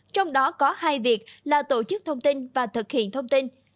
trong đó có hai việc là tổ chức thông tin và thực hiện thông tin